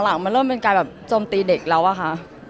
หลังมันเริ่มเป็นการแบบโจมตีเด็กแล้วอะค่ะ